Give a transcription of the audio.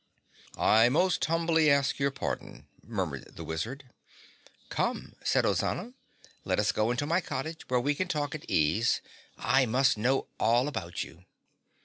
"I most humbly ask your pardon," murmured the Wizard. "Come," said Ozana, "let us go into my cottage, where we can talk at ease. I must know all about you."